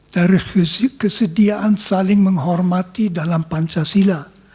dari kesediaan saling menghormati dalam pancasila